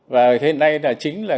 và hôm nay là chính là